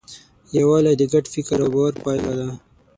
یووالی د ګډ فکر او باور پایله ده.